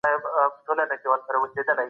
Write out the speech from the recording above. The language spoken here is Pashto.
نوي میتودونه چیرته کارول کیږي؟